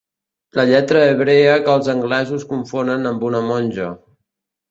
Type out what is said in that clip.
La lletra hebrea que els anglesos confonen amb una monja.